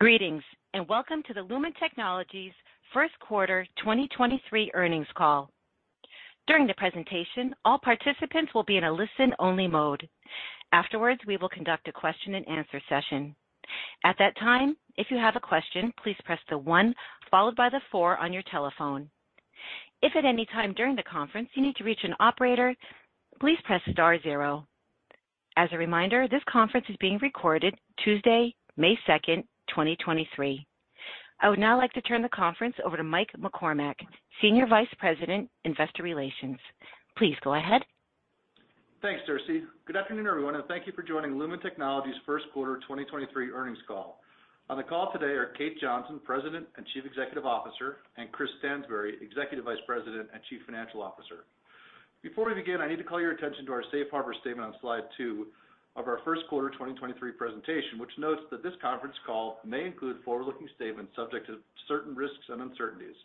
Greetings, welcome to the Lumen Technologies Q1 2023 earnings call. During the presentation, all participants will be in a listen-only mode. Afterwards, we will conduct a question-and-answer session. At that time, if you have a question, please press the 1 followed by the 4 on your telephone. If at any time during the conference you need to reach an operator, please press star 0. As a reminder, this conference is being recorded Tuesday, May 2nd, 2023. I would now like to turn the conference over to Mike McCormack, Senior Vice President, Investor Relations. Please go ahead. Thanks, Darcey. Good afternoon, everyone. Thank you for joining Lumen Technologies Q1 2023 earnings call. On the call today are Kate Johnson, President and Chief Executive Officer, and Chris Stansbury, Executive Vice President and Chief Financial Officer. Before we begin, I need to call your attention to our safe harbor statement on slide 2 of our Q1 2023 presentation, which notes that this conference call may include forward-looking statements subject to certain risks and uncertainties.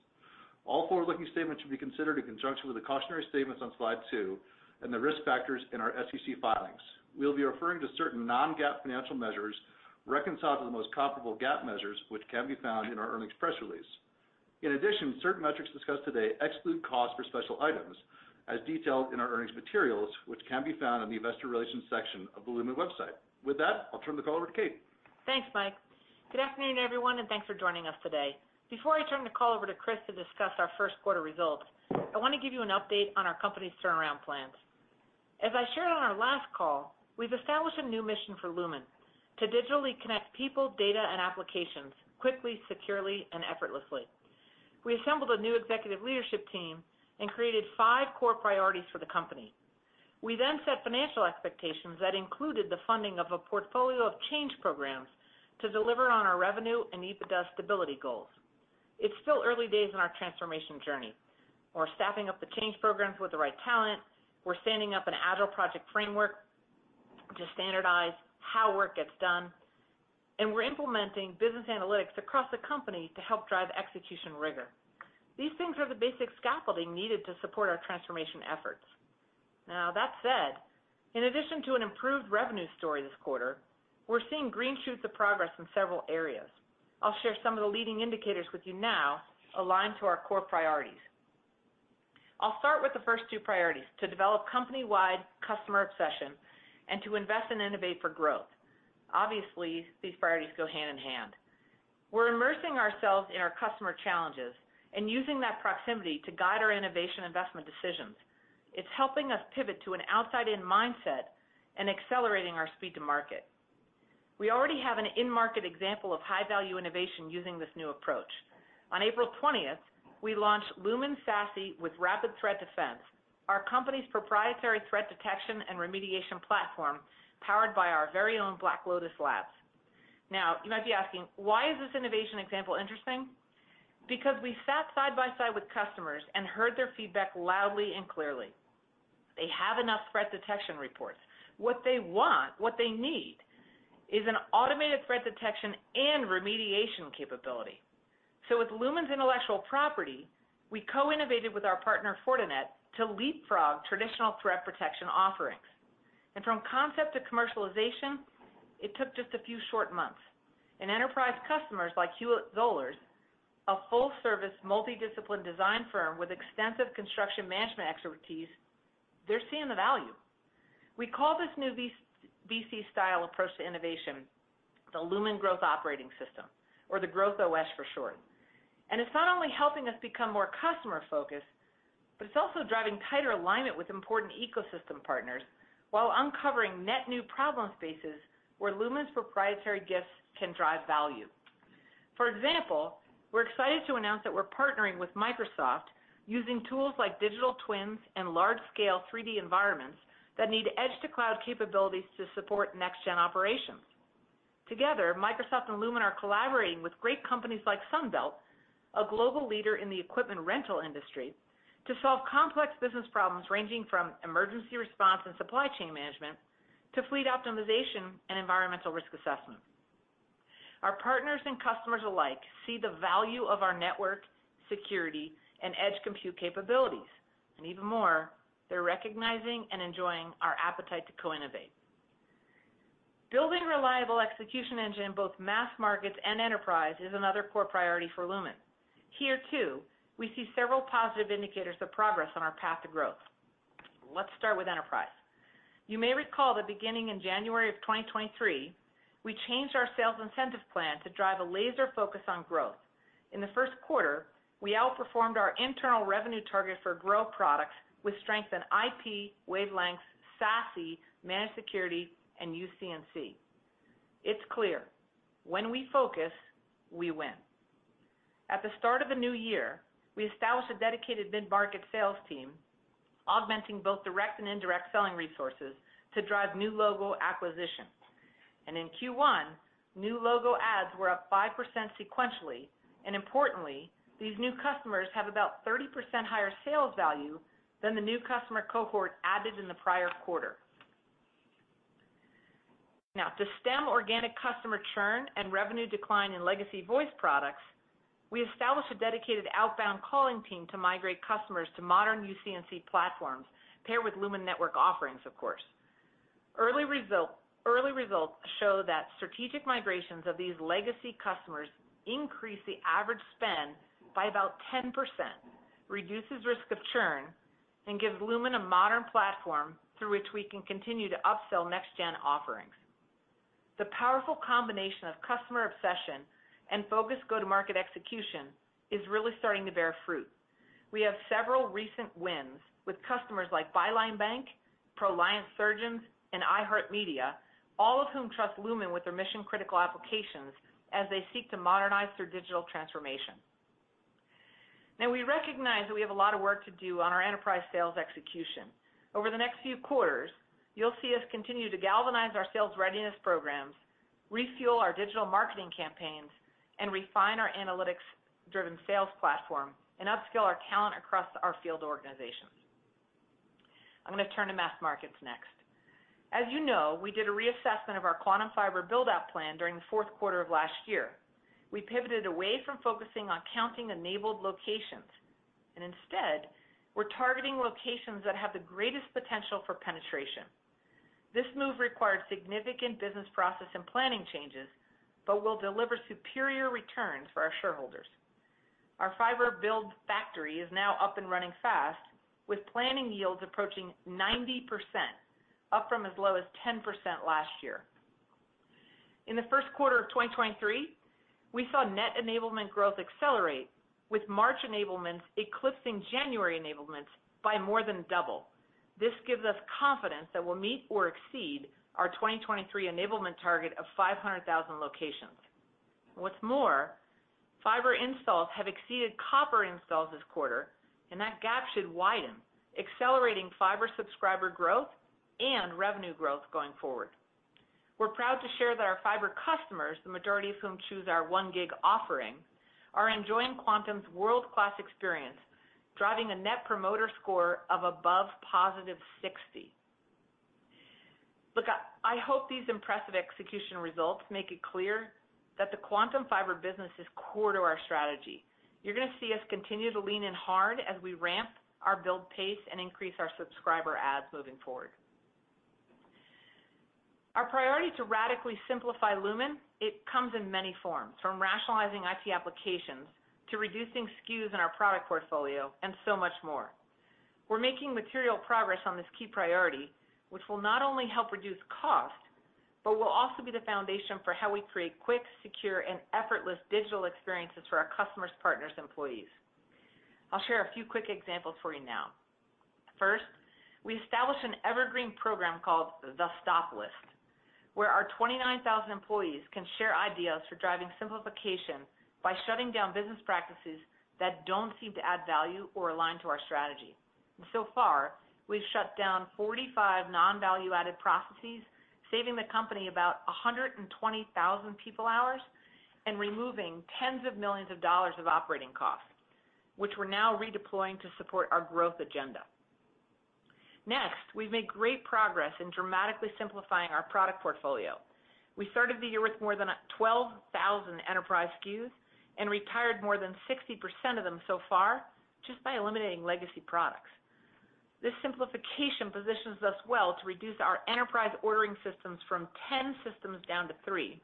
All forward-looking statements should be considered in conjunction with the cautionary statements on slide 2 and the risk factors in our SEC filings. We'll be referring to certain non-GAAP financial measures reconciled to the most comparable GAAP measures, which can be found in our earnings press release. In addition, certain metrics discussed today exclude cost for special items as detailed in our earnings materials, which can be found on the investor relations section of the Lumen website. With that, I'll turn the call over to Kate. Thanks, Mike. Good afternoon, everyone, and thanks for joining us today. Before I turn the call over to Chris to discuss our Q1 results, I want to give you an update on our company's turnaround plans. As I shared on our last call, we've established a new mission for Lumen to digitally connect people, data, and applications quickly, securely, and effortlessly. We assembled a new executive leadership team and created 5 core priorities for the company. We then set financial expectations that included the funding of a portfolio of change programs to deliver on our revenue and EBITDA stability goals. It's still early days in our transformation journey. We're staffing up the change programs with the right talent. We're standing up an agile project framework to standardize how work gets done, and we're implementing business analytics across the company to help drive execution rigor. These things are the basic scaffolding needed to support our transformation efforts. Now, that said, in addition to an improved revenue story this quarter, we're seeing green shoots of progress in several areas. I'll share some of the leading indicators with you now aligned to our core priorities. I'll start with the first 2 priorities, to develop company-wide customer obsession and to invest and innovate for growth. Obviously, these priorities go hand in hand. We're immersing ourselves in our customer challenges and using that proximity to guide our innovation investment decisions. It's helping us pivot to an outside-in mindset and accelerating our speed to market. We already have an in-market example of high-value innovation using this new approach. On April 20th, we launched Lumen SASE with Rapid Threat Defense, our company's proprietary threat detection and remediation platform powered by our very own Black Lotus Labs. Now you might be asking, why is this innovation example interesting? Because we sat side by side with customers and heard their feedback loudly and clearly. They have enough threat detection reports. What they want, what they need is an automated threat detection and remediation capability. With Lumen's intellectual property, we co-innovated with our partner, Fortinet, to leapfrog traditional threat protection offerings. From concept to commercialization, it took just a few short months. Enterprise customers like Huitt-Zollars, a full-service multi-discipline design firm with extensive construction management expertise, they're seeing the value. We call this new VC-style approach to innovation, the Lumen Growth Operating System, or the Growth OS for short. It's not only helping us become more customer-focused, but it's also driving tighter alignment with important ecosystem partners while uncovering net-new problem spaces where Lumen's proprietary gifts can drive value. For example, we're excited to announce that we're partnering with Microsoft using tools like digital twins and large-scale 3D environments that need edge-to-cloud capabilities to support next gen operations. Together, Microsoft and Lumen are collaborating with great companies like Sunbelt, a global leader in the equipment rental industry, to solve complex business problems ranging from emergency response and supply chain management to fleet optimization and environmental risk assessment. Our partners and customers alike see the value of our network security and edge compute capabilities. Even more, they're recognizing and enjoying our appetite to co-innovate. Building reliable execution engine in both mass markets and enterprise is another core priority for Lumen. Here too, we see several positive indicators of progress on our path to growth. Let's start with enterprise. You may recall that beginning in January of 2023, we changed our sales incentive plan to drive a laser focus on growth. In the Q1, we outperformed our internal revenue target for growth products with strength in IP, wavelengths, SASE, managed security, and UC&C. It's clear when we focus, we win. At the start of a new year, we established a dedicated mid-market sales team, augmenting both direct and indirect selling resources to drive new logo acquisitions. In Q1, new logo ads were up 5% sequentially, and importantly, these new customers have about 30% higher sales value than the new customer cohort added in the prior quarter. To stem organic customer churn and revenue decline in legacy voice products. We established a dedicated outbound calling team to migrate customers to modern UC&C platforms paired with Lumen network offerings, of course. Early results show that strategic migrations of these legacy customers increase the average spend by about 10%, reduces risk of churn, and gives Lumen a modern platform through which we can continue to upsell next-gen offerings. The powerful combination of customer obsession and focused go-to-market execution is really starting to bear fruit. We have several recent wins with customers like Byline Bank, Proliance Surgeons, and iHeartMedia, all of whom trust Lumen with their mission-critical applications as they seek to modernize their digital transformation. We recognize that we have a lot of work to do on our enterprise sales execution. Over the next few quarters, you'll see us continue to galvanize our sales readiness programs, refuel our digital marketing campaigns, and refine our analytics-driven sales platform and upskill our talent across our field organizations. I'm going to turn to mass markets next. As you know, we did a reassessment of our Quantum Fiber build-out plan during the Q4 of last year. We pivoted away from focusing on counting enabled locations, and instead we're targeting locations that have the greatest potential for penetration. This move required significant business process and planning changes, but will deliver superior returns for our shareholders. Our fiber build factory is now up and running fast with planning yields approaching 90%, up from as low as 10% last year. In the Q1 of 2023, we saw net enablement growth accelerate with March enablements eclipsing January enablements by more than double. This gives us confidence that we'll meet or exceed our 2023 enablement target of 500,000 locations. What's more, fiber installs have exceeded copper installs this quarter, and that gap should widen, accelerating fiber subscriber growth and revenue growth going forward. We're proud to share that our fiber customers, the majority of whom choose our 1 gig offering, are enjoying Quantum's world-class experience, driving a net promoter score of above positive 60. I hope these impressive execution results make it clear that the Quantum Fiber business is core to our strategy. You're going to see us continue to lean in hard as we ramp our build pace and increase our subscriber adds moving forward. Our priority to radically simplify Lumen, it comes in many forms, from rationalizing IT applications to reducing SKUs in our product portfolio and so much more. We're making material progress on this key priority, which will not only help reduce cost, but will also be the foundation for how we create quick, secure, and effortless digital experiences for our customers, partners, employees. I'll share a few quick examples for you now. First, we established an evergreen program called The Stop List, where our 29,000 employees can share ideas for driving simplification by shutting down business practices that don't seem to add value or align to our strategy. So far, we've shut down 45 non-value-added processes, saving the company about 120,000 people hours and removing 10's of millions of dollars of operating costs, which we're now redeploying to support our growth agenda. We've made great progress in dramatically simplifying our product portfolio. We started the year with more than 12,000 enterprise SKUs and retired more than 60% of them so far just by eliminating legacy products. This simplification positions us well to reduce our enterprise ordering systems from 10 systems down to 3,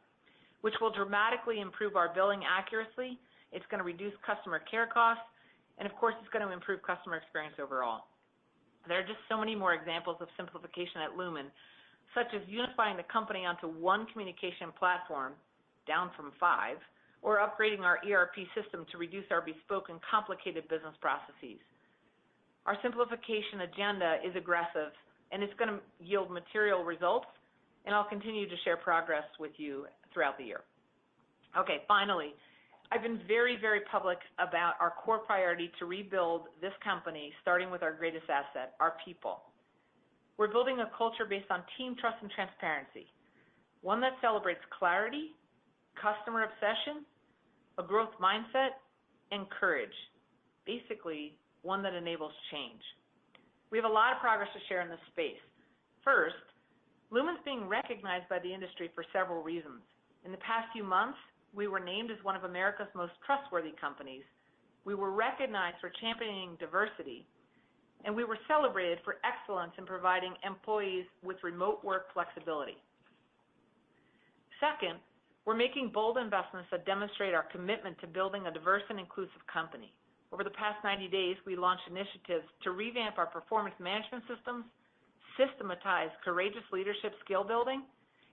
which will dramatically improve our billing accuracy. It's going to reduce customer care costs, and of course, it's going to improve customer experience overall. There are just so many more examples of simplification at Lumen, such as unifying the company onto 1 communication platform down from 5, or upgrading our ERP system to reduce our bespoke and complicated business processes. Our simplification agenda is aggressive, and it's going to yield material results, and I'll continue to share progress with you throughout the year. Okay. Finally, I've been very, very public about our core priority to rebuild this company starting with our greatest asset, our people. We're building a culture based on team trust and transparency, one that celebrates clarity, customer obsession, a growth mindset, and courage, basically one that enables change. We have a lot of progress to share in this space. First, Lumen's being recognized by the industry for several reasons. In the past few months, we were named as one of America's most trustworthy companies. We were recognized for championing diversity. We were celebrated for excellence in providing employees with remote work flexibility. Second, we're making bold investments that demonstrate our commitment to building a diverse and inclusive company. Over the past 90 days, we launched initiatives to revamp our performance management systems, systematize courageous leadership skill building,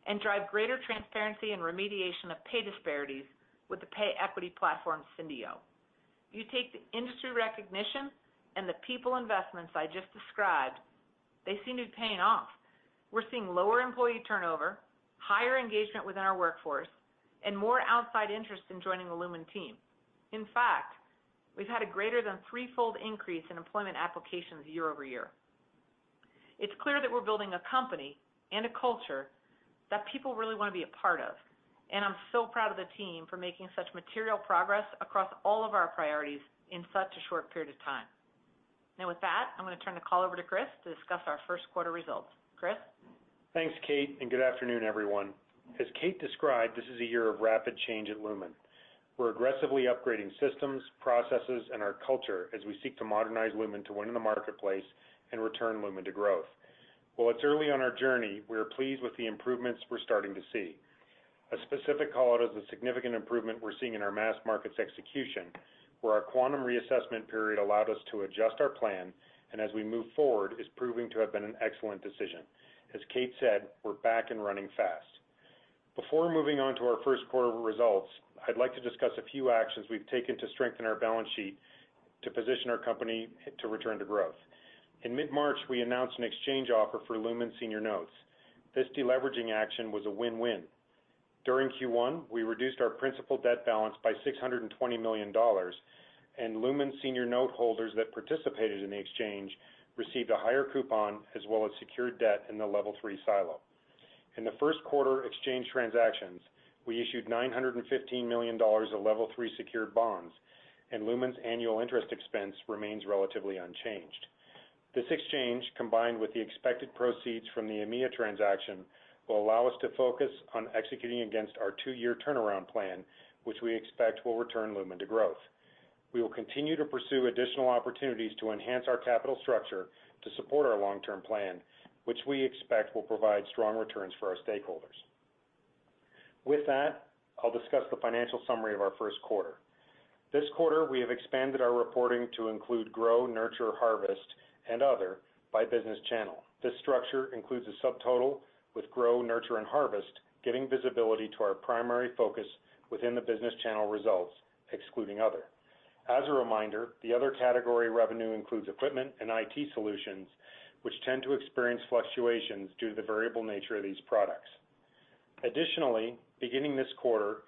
and drive greater transparency and remediation of pay disparities with the pay equity platform, Syndio. You take the industry recognition and the people investments I just described, they seem to be paying off. We're seeing lower employee turnover, higher engagement within our workforce. More outside interest in joining the Lumen team. In fact, we've had a greater than threefold increase in employment applications year-over-year. It's clear that we're building a company and a culture that people really want to be a part of, and I'm so proud of the team for making such material progress across all of our priorities in such a short period of time. With that, I'm gonna turn the call over to Chris to discuss our Q1 results. Chris? Thanks, Kate. Good afternoon, everyone. As Kate described, this is a year of rapid change at Lumen. We're aggressively upgrading systems, processes, and our culture as we seek to modernize Lumen to win in the marketplace and return Lumen to growth. While it's early on our journey, we are pleased with the improvements we're starting to see. A specific call-out is the significant improvement we're seeing in our mass markets execution, where our Quantum reassessment period allowed us to adjust our plan, and as we move forward, is proving to have been an excellent decision. As Kate said, we're back and running fast. Before moving on to our Q1 results, I'd like to discuss a few actions we've taken to strengthen our balance sheet to position our company to return to growth. In mid-March, we announced an exchange offer for Lumen senior notes. This deleveraging action was a win-win. During Q1, we reduced our principal debt balance by $620 million, and Lumen senior note holders that participated in the exchange received a higher coupon as well as secured debt in the Level 3 silo. In the Q1 exchange transactions, we issued $915 million of Level 3 secured bonds, and Lumen's annual interest expense remains relatively unchanged. This exchange, combined with the expected proceeds from the EMEA transaction, will allow us to focus on executing against our 2-year turnaround plan, which we expect will return Lumen to growth. We will continue to pursue additional opportunities to enhance our capital structure to support our long-term plan, which we expect will provide strong returns for our stakeholders. With that, I'll discuss the financial summary of our Q1. This quarter, we have expanded our reporting to include grow, nurture, harvest, and other by business channel. This structure includes a subtotal with grow, nurture, and harvest, giving visibility to our primary focus within the business channel results, excluding other. As a reminder, the other category revenue includes equipment and IT solutions, which tend to experience fluctuations due to the variable nature of these products. Beginning this quarter,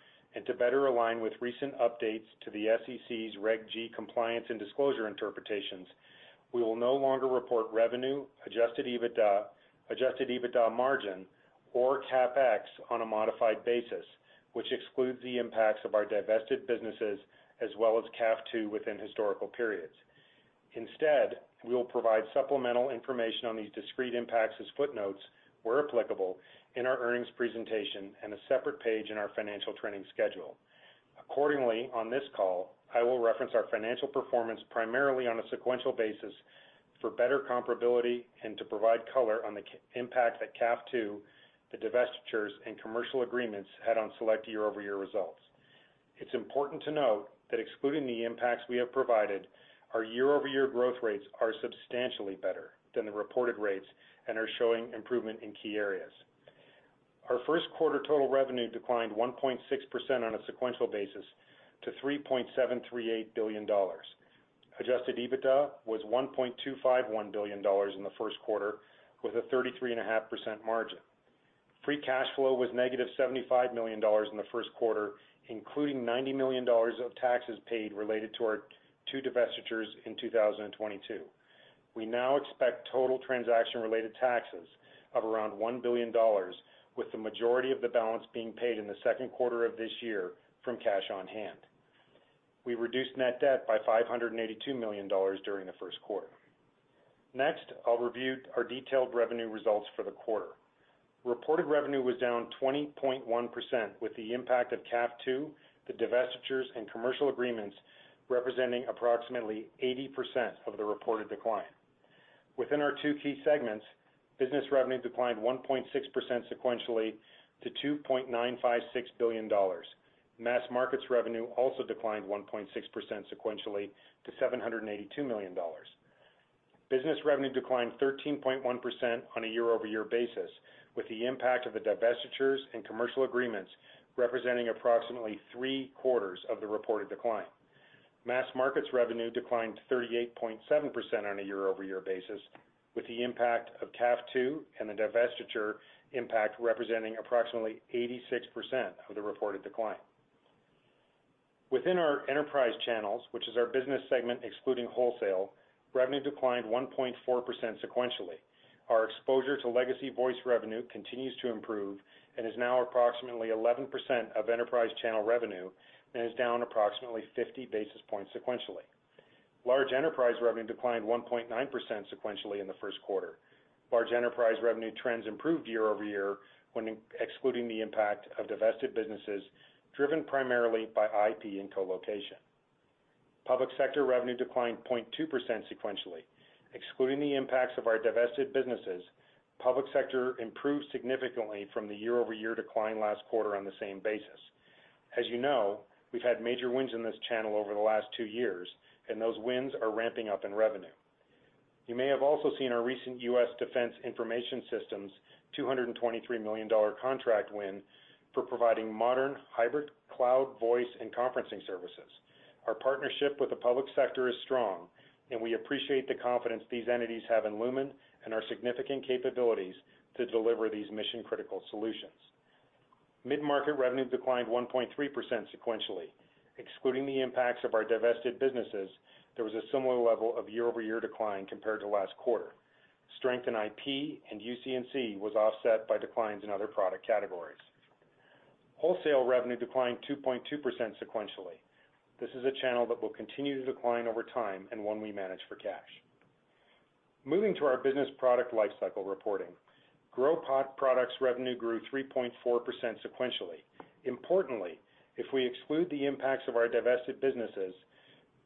to better align with recent updates to the SEC's Reg G compliance and disclosure interpretations, we will no longer report revenue, adjusted EBITDA, adjusted EBITDA margin, or CapEx on a modified basis, which excludes the impacts of our divested businesses as well as CAF II within historical periods. Instead, we will provide supplemental information on these discrete impacts as footnotes, where applicable, in our earnings presentation and a separate page in our financial training schedule. Accordingly, on this call, I will reference our financial performance primarily on a sequential basis for better comparability and to provide color on the impact that CAF II, the divestitures, and commercial agreements had on select year-over-year results. It's important to note that excluding the impacts we have provided, our year-over-year growth rates are substantially better than the reported rates and are showing improvement in key areas. Our Q1 total revenue declined 1.6% on a sequential basis to $3.738 billion. Adjusted EBITDA was $1.251 billion in the Q1, with a 33.5% margin. Free cash flow was -$75 million in the Q1, including $90 million of taxes paid related to our 2 divestitures in 2022. We now expect total transaction-related taxes of around $1 billion, with the majority of the balance being paid in the Q2 of this year from cash on hand. We reduced net debt by $582 million during the Q1. I'll review our detailed revenue results for the quarter. Reported revenue was down 20.1% with the impact of CAF II, the divestitures, and commercial agreements representing approximately 80% of the reported decline. Within our 2 key segments, business revenue declined 1.6% sequentially to $2.956 billion. Mass markets revenue also declined 1.6% sequentially to $782 million. Business revenue declined 13.1% on a year-over-year basis, with the impact of the divestitures and commercial agreements representing approximately 3-quarters of the reported decline. Mass markets revenue declined 38.7% on a year-over-year basis, with the impact of CAF II and the divestiture impact representing approximately 86% of the reported decline. Within our enterprise channels, which is our business segment excluding wholesale, revenue declined 1.4% sequentially. Our exposure to legacy voice revenue continues to improve and is now approximately 11% of enterprise channel revenue and is down approximately 50 basis points sequentially. Large enterprise revenue declined 1.9% sequentially in the Q1. Large enterprise revenue trends improved year-over-year when excluding the impact of divested businesses, driven primarily by IP and colocation. Public sector revenue declined 0.2% sequentially. Excluding the impacts of our divested businesses, public sector improved significantly from the year-over-year decline last quarter on the same basis. As you know, we've had major wins in this channel over the last 2 years, and those wins are ramping up in revenue. You may have also seen our recent Defense Information Systems Agency $223 million contract win for providing modern hybrid cloud voice and conferencing services. Our partnership with the public sector is strong, and we appreciate the confidence these entities have in Lumen and our significant capabilities to deliver these mission-critical solutions. Mid-market revenue declined 1.3 sequentially. Excluding the impacts of our divested businesses, there was a similar level of year-over-year decline compared to last quarter. Strength in IP and UC&C was offset by declines in other product categories. Wholesale revenue declined 2.2% sequentially. This is a channel that will continue to decline over time and one we manage for cash. Moving to our business product lifecycle reporting. Grow pot products revenue grew 3.4% sequentially. Importantly, if we exclude the impacts of our divested businesses,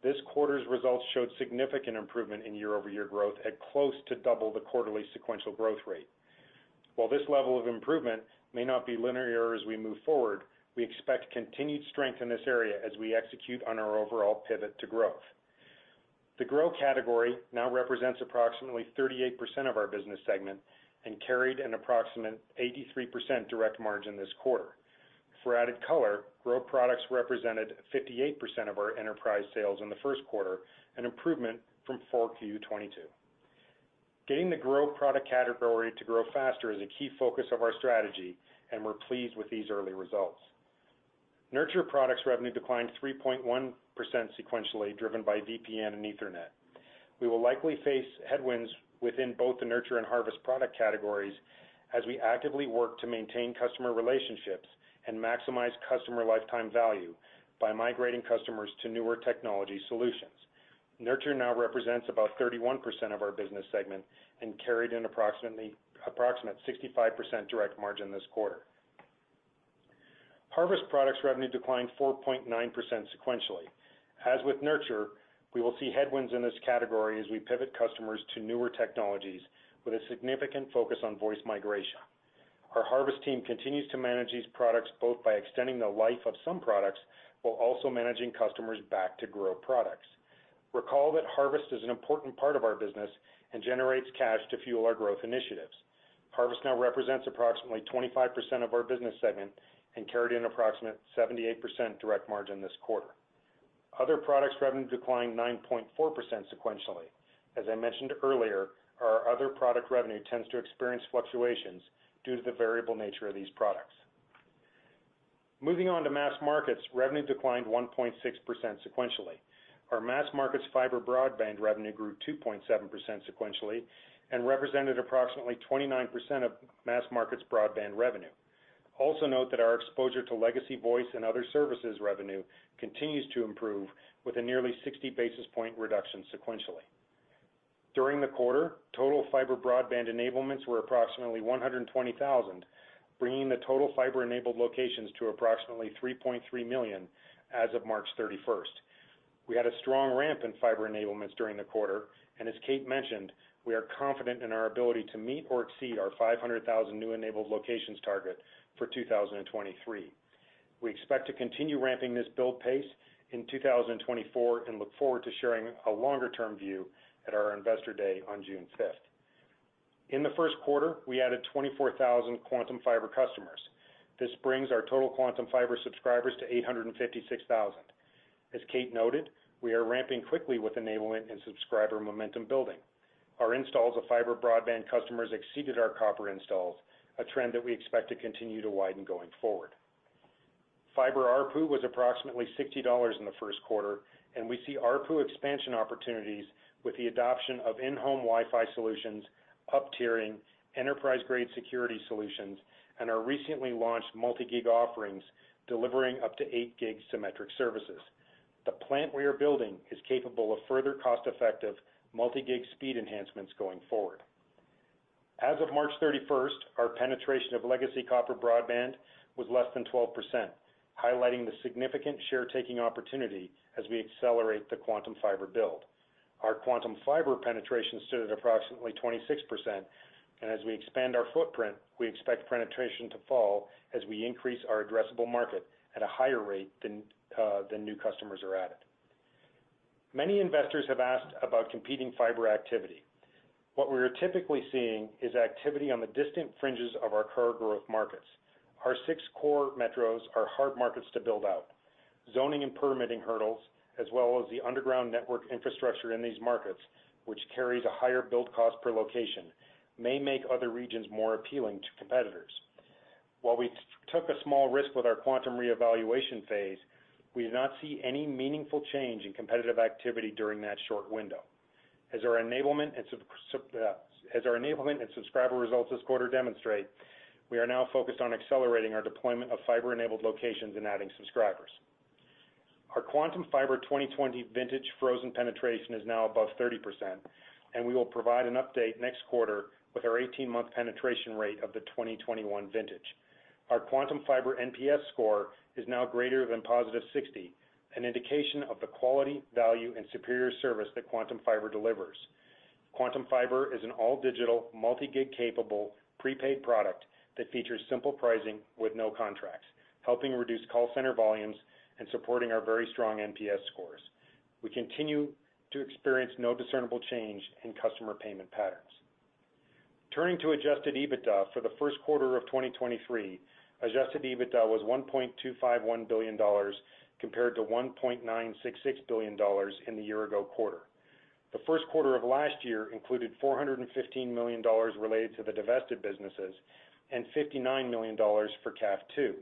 this quarter's results showed significant improvement in year-over-year growth at close to double the quarterly sequential growth rate. While this level of improvement may not be linear as we move forward, we expect continued strength in this area as we execute on our overall pivot to growth. The grow category now represents approximately 38% of our business segment and carried an approximate 83% direct margin this quarter. For added color, grow products represented 58% of our enterprise sales in the Q1, an improvement from 4Q 2022. Getting the grow product category to grow faster is a key focus of our strategy, and we're pleased with these early results. Nurture products revenue declined 3.1% sequentially, driven by VPN and Ethernet. We will likely face headwinds within both the Nurture and Harvest product categories as we actively work to maintain customer relationships and maximize customer lifetime value by migrating customers to newer technology solutions. Nurture now represents about 31% of our business segment and carried an approximate 65% direct margin this quarter. Harvest products revenue declined 4.9% sequentially. As with Nurture, we will see headwinds in this category as we pivot customers to newer technologies with a significant focus on voice migration. Our Harvest team continues to manage these products both by extending the life of some products while also managing customers back to Grow products. Recall that Harvest is an important part of our business and generates cash to fuel our growth initiatives. Harvest now represents approximately 25% of our business segment and carried an approximate 78% direct margin this quarter. Other products revenue declined 9.4% sequentially. As I mentioned earlier, our other product revenue tends to experience fluctuations due to the variable nature of these products. Moving on to mass markets, revenue declined 1.6% sequentially. Our mass markets fiber broadband revenue grew 2.7% sequentially and represented approximately 29% of mass markets broadband revenue. Also note that our exposure to legacy voice and other services revenue continues to improve with a nearly 60 basis point reduction sequentially. During the quarter, total fiber broadband enablements were approximately 120,000, bringing the total fiber-enabled locations to approximately 3.3 million as of March 31st. We had a strong ramp in fiber enablements during the quarter, and as Kate mentioned, we are confident in our ability to meet or exceed our 500,000 new enabled locations target for 2023. We expect to continue ramping this build pace in 2024 and look forward to sharing a longer-term view at our Investor Day on June 5th. In the Q1, we added 24,000 Quantum Fiber customers. This brings our total Quantum Fiber subscribers to 856,000. As Kate noted, we are ramping quickly with enablement and subscriber momentum building. Our installs of fiber broadband customers exceeded our copper installs, a trend that we expect to continue to widen going forward. Fiber ARPU was approximately $60 in the Q1, and we see ARPU expansion opportunities with the adoption of in-home Wi-Fi solutions, up-tiering, enterprise-grade security solutions, and our recently launched multi-gig offerings delivering up to 8 gig symmetric services. The plant we are building is capable of further cost-effective multi-gig speed enhancements going forward. As of March 31st, our penetration of legacy copper broadband was less than 12%, highlighting the significant share taking opportunity as we accelerate the Quantum Fiber build. Our Quantum Fiber penetration stood at approximately 26%, and as we expand our footprint, we expect penetration to fall as we increase our addressable market at a higher rate than new customers are added. Many investors have asked about competing fiber activity. What we're typically seeing is activity on the distant fringes of our core growth markets. Our 6 core metros are hard markets to build out. Zoning and permitting hurdles, as well as the underground network infrastructure in these markets, which carries a higher build cost per location, may make other regions more appealing to competitors. While we took a small risk with our Quantum reevaluation phase, we did not see any meaningful change in competitive activity during that short window. As our enablement and subscriber results this quarter demonstrate, we are now focused on accelerating our deployment of fiber-enabled locations and adding subscribers. Our Quantum Fiber 2020 vintage frozen penetration is now above 30%, and we will provide an update next quarter with our 18-month penetration rate of the 2021 vintage. Our Quantum Fiber NPS score is now greater than positive 60, an indication of the quality, value, and superior service that Quantum Fiber delivers. Quantum Fiber is an all-digital, multi-gig capable, prepaid product that features simple pricing with no contracts, helping reduce call center volumes and supporting our very strong NPS scores. We continue to experience no discernible change in customer payment patterns. Turning to adjusted EBITDA for the Q1 of 2023, adjusted EBITDA was $1.251 billion compared to $1.966 billion in the year-ago quarter. The Q1 of last year included $415 million related to the divested businesses and $59 million for CAF II,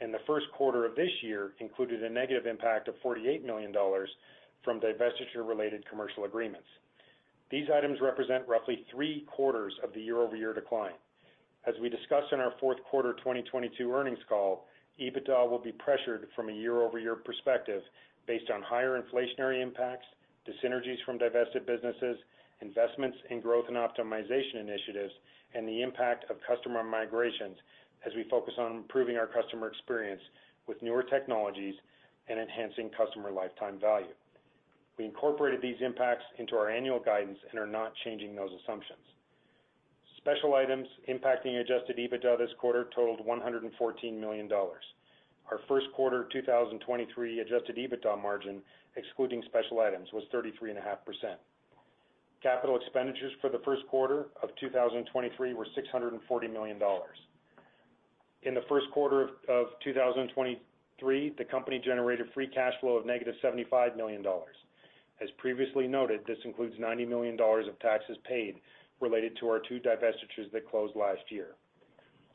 and the Q1 of this year included a negative impact of $48 million from divestiture-related commercial agreements. These items represent roughly 3-quarters of the year-over-year decline. As we discussed in our Q4 2022 earnings call, EBITDA will be pressured from a year-over-year perspective based on higher inflationary impacts, dissynergies from divested businesses, investments in growth and optimization initiatives, and the impact of customer migrations as we focus on improving our customer experience with newer technologies and enhancing customer lifetime value. We incorporated these impacts into our annual guidance and are not changing those assumptions. Special items impacting adjusted EBITDA this quarter totaled $114 million. Our Q1 2023 adjusted EBITDA margin, excluding special items, was 33.5%. Capital expenditures for the Q1 of 2023 were $640 million. In the Q1 of 2023, the company generated free cash flow of negative $75 million. As previously noted, this includes $90 million of taxes paid related to our 2 divestitures that closed last year.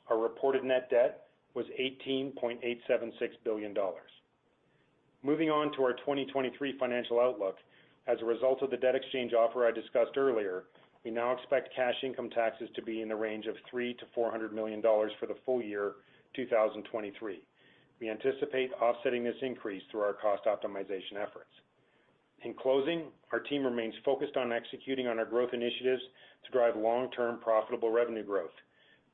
Our reported net debt was $18.876 billion. Moving on to our 2023 financial outlook. As a result of the debt exchange offer I discussed earlier, we now expect cash income taxes to be in the range of $300 million-$400 million for the full year 2023. We anticipate offsetting this increase through our cost optimization efforts. In closing, our team remains focused on executing on our growth initiatives to drive long-term profitable revenue growth.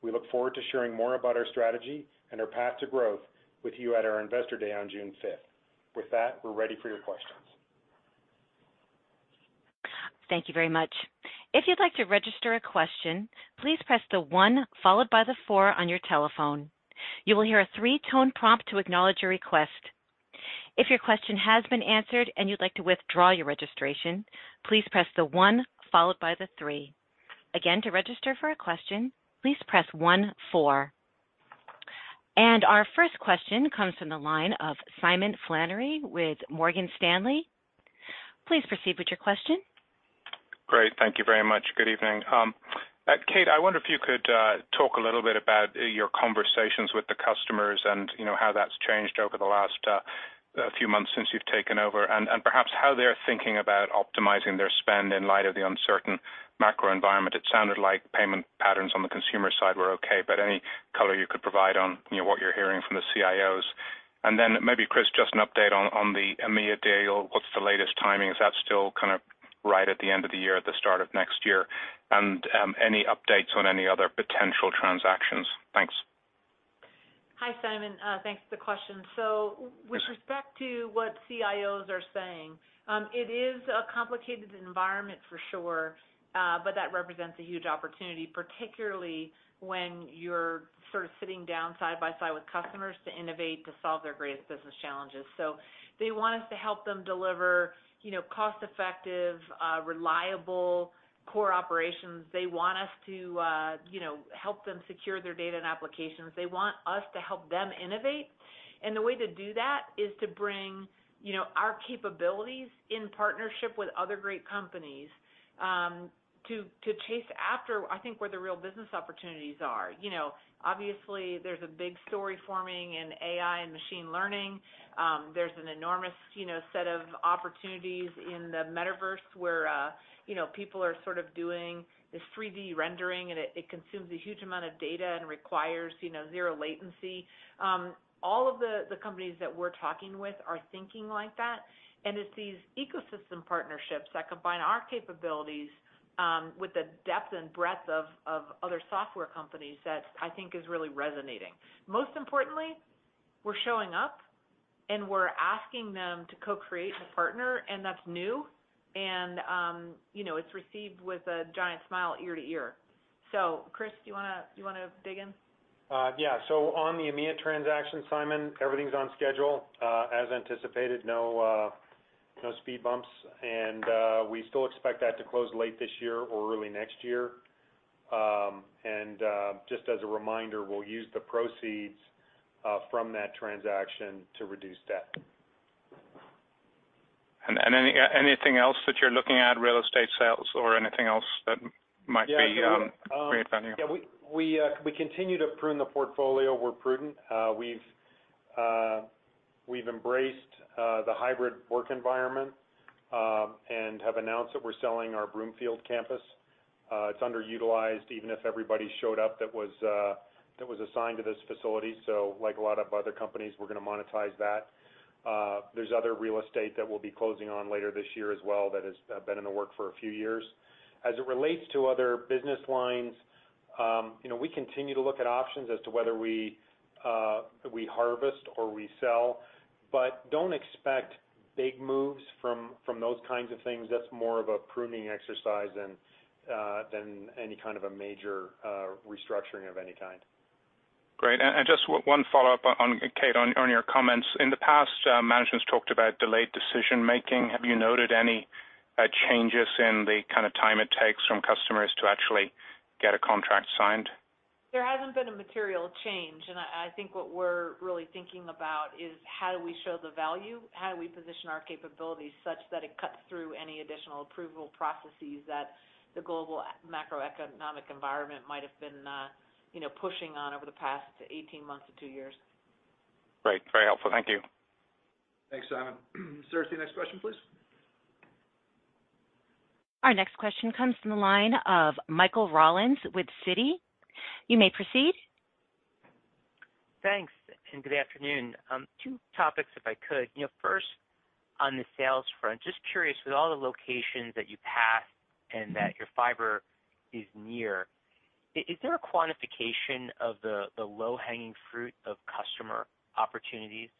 We look forward to sharing more about our strategy and our path to growth with you at our Investor Day on June 5th. With that, we're ready for your questions. Thank you very much. If you'd like to register a question, please press the 1 followed by the 4 on your telephone. You will hear a 3-tone prompt to acknowledge your request. If your question has been answered and you'd like to withdraw your registration, please press the 1 followed by the 3. Again, to register for a question, please press 1 4. Our 1st question comes from the line of Simon Flannery with Morgan Stanley. Please proceed with your question. Great. Thank you very much. Good evening. Kate, I wonder if you could talk a little bit about your conversations with the customers and, you know, how that's changed over the last few months since you've taken over, and perhaps how they're thinking about optimizing their spend in light of the uncertain macro environment. It sounded like payment patterns on the consumer side were okay, but any color you could provide on, you know, what you're hearing from the CIOs. Maybe, Chris, just an update on the EMEA deal. What's the latest timing? Is that still kind of right at the end of the year, at the start of next year? Any updates on any other potential transactions? Thanks. Hi, Simon. Thanks for the question. With respect to what CIOs are saying, it is a complicated environment for sure, but that represents a huge opportunity, particularly when you're sort of sitting down side by side with customers to innovate, to solve their greatest business challenges. They want us to help them deliver, you know, cost-effective, reliable core operations. They want us to, you know, help them secure their data and applications. They want us to help them innovate. The way to do that is to bring, you know, our capabilities in partnership with other great companies, to chase after, I think, where the real business opportunities are. You know, obviously, there's a big story forming in AI and machine learning. There's an enormous, you know, set of opportunities in the Metaverse where, you know, people are sort of doing this 3D rendering, and it consumes a huge amount of data and requires, you know, 0 latency. All of the companies that we're talking with are thinking like that. It's these ecosystem partnerships that combine our capabilities with the depth and breadth of other software companies that I think is really resonating. Most importantly, we're showing up, and we're asking them to co-create and partner, and that's new. You know, it's received with a giant smile ear to ear. Chris, do you wanna dig in? Yeah. On the EMEA transaction, Simon, everything's on schedule, as anticipated. No, no speed bumps. We still expect that to close late this year or early next year. Just as a reminder, we'll use the proceeds from that transaction to reduce debt. anything else that you're looking at, real estate sales or anything else that might be, create value? Yeah. We continue to prune the portfolio. We're prudent. We've embraced the hybrid work environment and have announced that we're selling our Broomfield campus. It's underutilized even if everybody showed up that was assigned to this facility. Like a lot of other companies, we're gonna monetize that. There's other real estate that we'll be closing on later this year as well that has been in the work for a few years. As it relates to other business lines, you know, we continue to look at options as to whether we harvest or we sell, don't expect big moves from those kinds of things. That's more of a pruning exercise than any kind of a major restructuring of any kind. Great. Just 1 follow-up on Kate, on your comments. In the past, management's talked about delayed decision-making. Have you noted any changes in the kind of time it takes from customers to actually get a contract signed? There hasn't been a material change. I think what we're really thinking about is how do we show the value, how do we position our capabilities such that it cuts through any additional approval processes that the global macroeconomic environment might have been, you know, pushing on over the past 18 months to 2 years. Great. Very helpful. Thank you. Thanks, Simon. Darcey, next question, please. Our next question comes from the line of Michael Rollins with Citi. You may proceed. Thanks. Good afternoon. You know, 2 topics, if I could. You know, first, on the sales front, just curious, with all the locations that you pass and that your fiber is near, is there a quantification of the low-hanging fruit of customer opportunities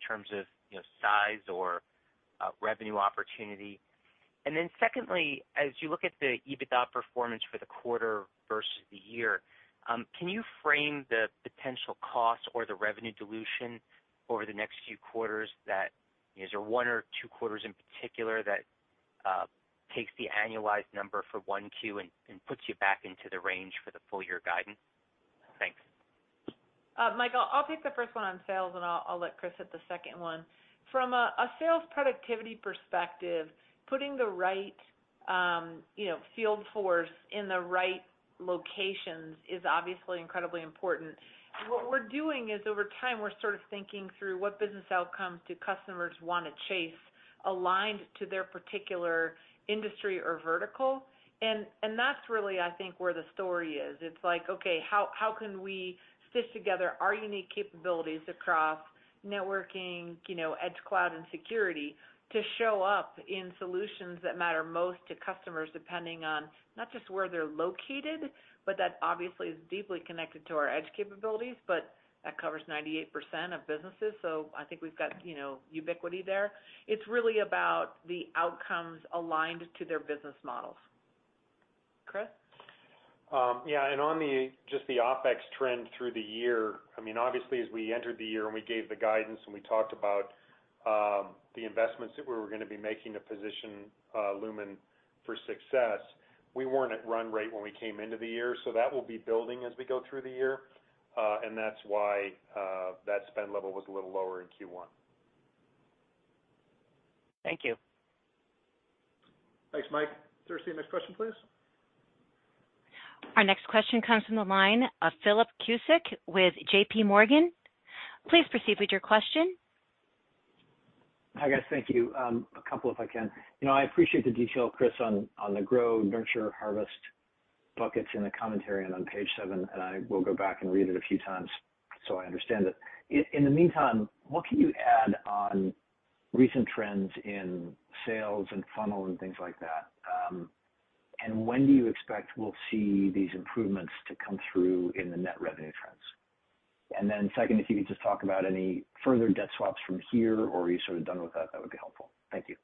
in terms of, you know, size or revenue opportunity? Secondly, as you look at the EBITDA performance for the quarter versus the year, can you frame the potential cost or the revenue dilution over the next few quarters that, is there 1 or 2 quarters in particular that takes the annualized number for 1 Q and puts you back into the range for the full year guidance? Thanks. Michael, I'll pick the first one on sales, and I'll let Chris hit the 2nd one. From a sales productivity perspective, putting the right, you know, field force in the right locations is obviously incredibly important. What we're doing is over time, we're sort of thinking through what business outcomes do customers wanna chase, aligned to their particular industry or vertical. That's really, I think, where the story is. It's like, okay, how can we stitch together our unique capabilities across networking, you know, edge cloud and security to show up in solutions that matter most to customers depending on not just where they're located, but that obviously is deeply connected to our edge capabilities, but that covers 98% of businesses. I think we've got, you know, ubiquity there. It's really about the outcomes aligned to their business models. Chris? just the OpEx trend through the year, I mean, obviously as we entered the year and we gave the guidance and we talked about the investments that we were gonna be making to position Lumen for success, we weren't at run rate when we came into the year. That will be building as we go through the year, that's why that spend level was a little lower in Q1. Thank you. Thanks, Mike. Darcey, next question, please. Our next question comes from the line of Philip Cusick with JPMorgan. Please proceed with your question. Hi, guys. Thank you. A couple, if I can. You know, I appreciate the detail, Chris, on the grow, nurture, harvest buckets in the commentary and on page 7. I will go back and read it a few times so I understand it. In the meantime, what can you add on recent trends in sales and funnel and things like that? When do you expect we'll see these improvements to come through in the net revenue trends? Second, if you could just talk about any further debt swaps from here, or are you sort of done with that? That would be helpful. Thank you.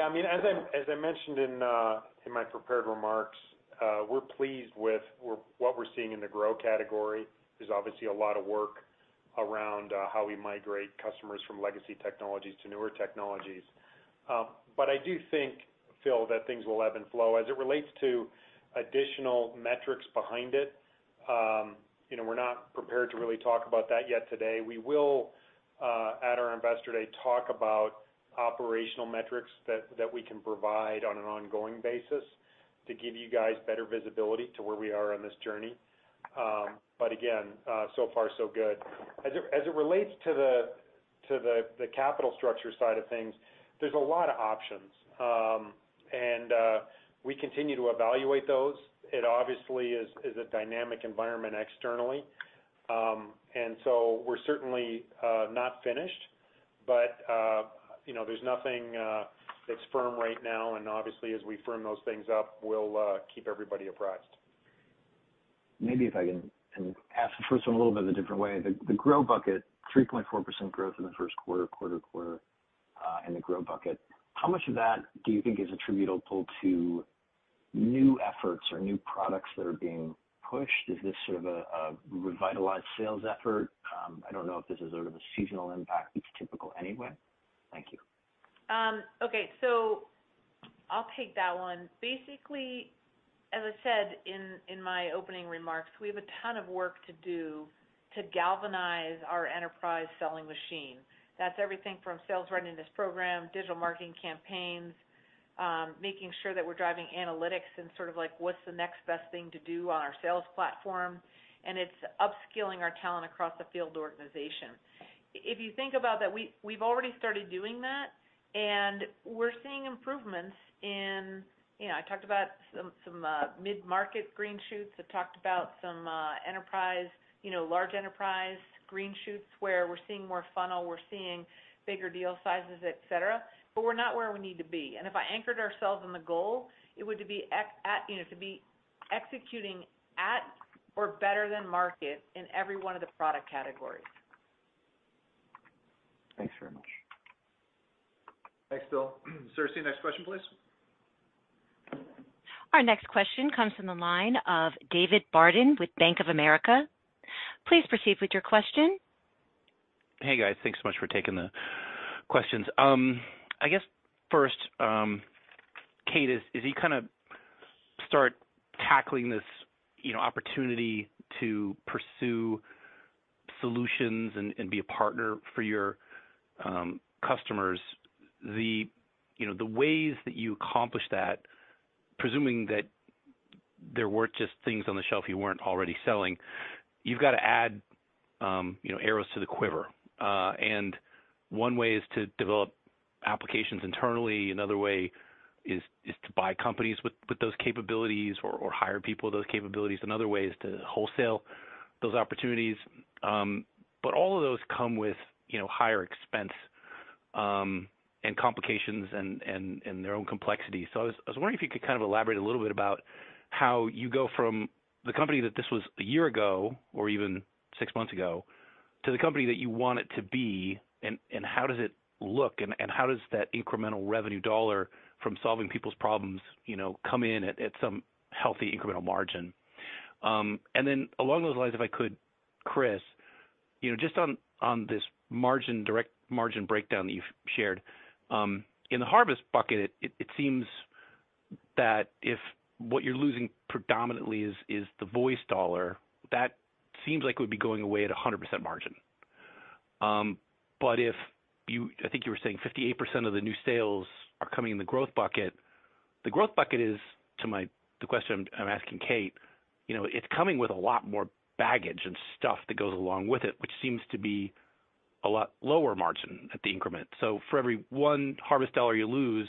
I mean, as I mentioned in my prepared remarks, we're pleased with what we're seeing in the grow category. There's obviously a lot of work around how we migrate customers from legacy technologies to newer technologies. I do think, Phil, that things will ebb and flow. As it relates to additional metrics behind it, you know, we're not prepared to really talk about that yet today. We will at our Investor Day talk about operational metrics that we can provide on an ongoing basis to give you guys better visibility to where we are on this journey. again, so far so good. As it relates to the capital structure side of things, there's a lot of options. We continue to evaluate those. It obviously is a dynamic environment externally. We're certainly not finished, but, you know, there's nothing that's firm right now. Obviously, as we firm those things up, we'll keep everybody apprised. Maybe if I can ask the first one a little bit of a different way. The grow bucket, 3.4% growth in the 1st quarter-over-quarter in the grow bucket. How much of that do you think is attributable to new efforts or new products that are being pushed? Is this sort of a revitalized sales effort? I don't know if this is sort of a seasonal impact that's typical anyway. Thank you. Okay. I'll take that one. Basically, as I said in my opening remarks, we have a ton of work to do to galvanize our enterprise selling machine. That's everything from sales readiness program, digital marketing campaigns, making sure that we're driving analytics and sort of like, what's the next best thing to do on our sales platform. It's upskilling our talent across the field organization. If you think about that, we've already started doing that, and we're seeing improvements in, you know, I talked about some mid-market green shoots. I talked about some enterprise, you know, large enterprise green shoots, where we're seeing more funnel, we're seeing bigger deal sizes, et cetera. We're not where we need to be. If I anchored ourselves on the goal, it would be at, you know, to be executing at or better than market in every 1 of the product categories. Thanks very much. Thanks, Phil. Darcey, next question, please. Our next question comes from the line of David Barden with Bank of America. Please proceed with your question. Hey, guys. Thanks so much for taking the questions. I guess first, Kate, as you kind of start tackling this, you know, opportunity to pursue solutions and be a partner for your, customers, the, you know, the ways that you accomplish that, There weren't just things on the shelf you weren't already selling. You've got to add, you know, arrows to the quiver. 1 way is to develop applications internally. Another way is to buy companies with those capabilities or hire people with those capabilities. Another way is to wholesale those opportunities. All of those come with, you know, higher expense, and complications and their own complexity. I was wondering if you could kind of elaborate a little bit about how you go from the company that this was a year ago or even 6 months ago to the company that you want it to be, and how does it look, and how does that incremental revenue dollar from solving people's problems, you know, come in at some healthy incremental margin? Along those lines, if I could, Chris, you know, just on this margin, direct margin breakdown that you've shared. In the harvest bucket, it seems that if what you're losing predominantly is the voice dollar, that seems like it would be going away at 100% margin. If you I think you were saying 58% of the new sales are coming in the growth bucket. The growth bucket is the question I'm asking Kate, you know, it's coming with a lot more baggage and stuff that goes along with it, which seems to be a lot lower margin at the increment. For every $1 harvest dollar you lose,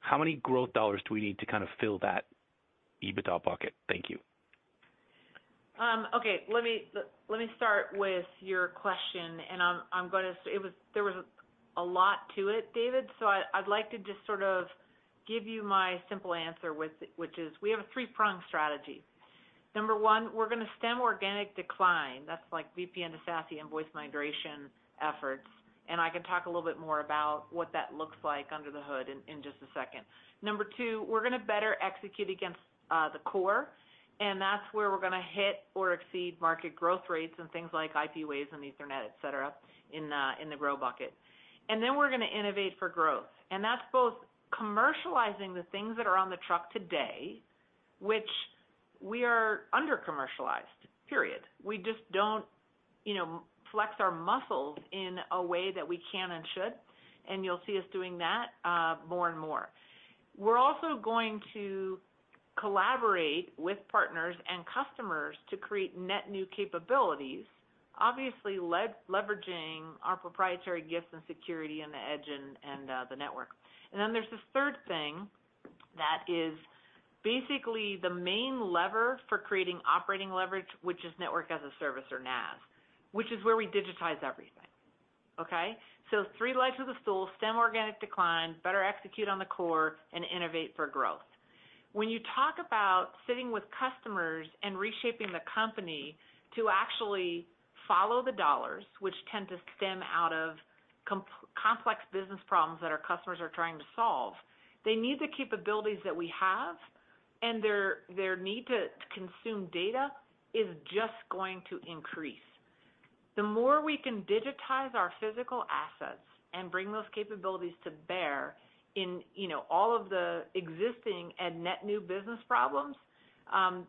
how many growth dollars do we need to kind of fill that EBITDA bucket? Thank you. Okay. Let me start with your question, there was a lot to it, David Barden. I'd like to just sort of give you my simple answer, which is we have a 3-pronged strategy. Number 1, we're gonna stem organic decline. That's like VPN to SASE and voice migration efforts. I can talk a little bit more about what that looks like under the hood in just a second. Number 2, we're gonna better execute against the core, and that's where we're gonna hit or exceed market growth rates and things like IP waves and Ethernet, et cetera, in the grow bucket. We're gonna innovate for growth. That's both commercializing the things that are on the truck today, which we are under-commercialized, period. We just don't, you know, flex our muscles in a way that we can and should, and you'll see us doing that, more and more. We're also going to collaborate with partners and customers to create net new capabilities, obviously leveraging our proprietary gifts and security in the edge and, the network. There's this third thing that is basically the main lever for creating operating leverage, which is Network as a Service or NaaS, which is where we digitize everything, okay? 3 legs of the stool, stem organic decline, better execute on the core, and innovate for growth. When you talk about sitting with customers and reshaping the company to actually follow the dollars, which tend to stem out of complex business problems that our customers are trying to solve, they need the capabilities that we have. Their need to consume data is just going to increase. The more we can digitize our physical assets and bring those capabilities to bear in, you know, all of the existing and net new business problems,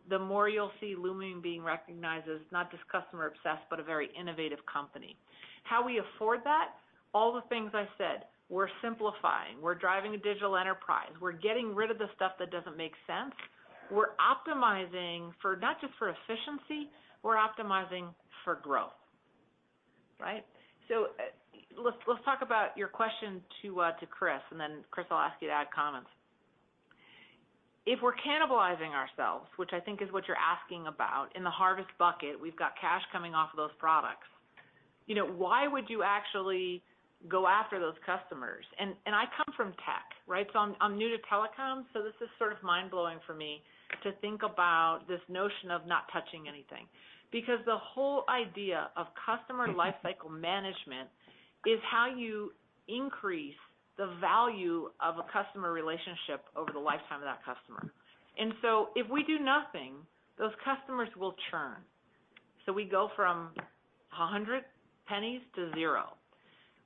the more you'll see Lumen being recognized as not just customer-obsessed, but a very innovative company. How we afford that, all the things I said, we're simplifying, we're driving a digital enterprise, we're getting rid of the stuff that doesn't make sense. We're optimizing for not just for efficiency, we're optimizing for growth, right? let's talk about your question to Chris, then Chris, I'll ask you to add comments. If we're cannibalizing ourselves, which I think is what you're asking about, in the harvest bucket, we've got cash coming off of those products. You know, why would you actually go after those customers? I come from tech, right? I'm new to telecom, this is sort of mind-blowing for me to think about this notion of not touching anything. Because the whole idea of customer lifecycle management is how you increase the value of a customer relationship over the lifetime of that customer. If we do nothing, those customers will churn. We go from 100 pennies to 0.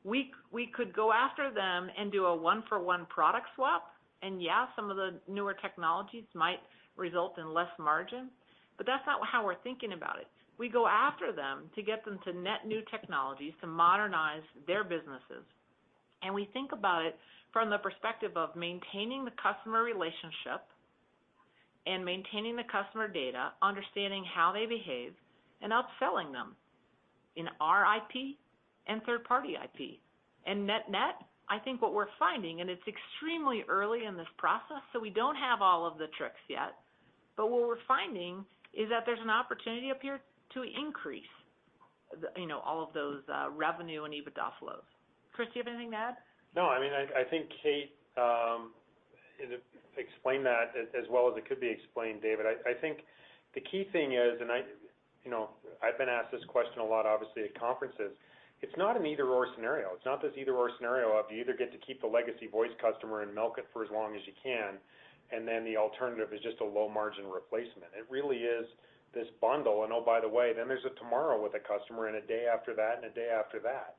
We could go after them and do a 1 for 1 product swap. Yeah, some of the newer technologies might result in less margin, but that's not how we're thinking about it. We go after them to get them to net new technologies to modernize their businesses. We think about it from the perspective of maintaining the customer relationship and maintaining the customer data, understanding how they behave and upselling them in our IP and third-party IP. Net-net, I think what we're finding, and it's extremely early in this process, so we don't have all of the tricks yet, but what we're finding is that there's an opportunity up here to increase the, you know, all of those revenue and EBITDA flows. Chris, do you have anything to add? No. I mean, I think Kate explained that as well as it could be explained, David. I think the key thing is, you know, I've been asked this question a lot, obviously at conferences. It's not an either/or scenario. It's not this either/or scenario of you either get to keep the legacy voice customer and milk it for as long as you can, and then the alternative is just a low margin replacement. It really is this bundle. Oh, by the way, then there's a tomorrow with a customer and a day after that and a day after that.